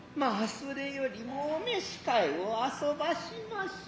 それよりもおめしかへを遊ばしまし。